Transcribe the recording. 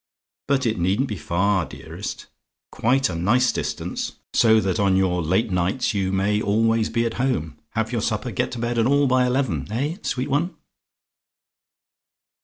"But it needn't be far, dearest. Quite a nice distance; so that on your late nights you may always be at home, have your supper, get to bed, and all by eleven. Eh, sweet one?"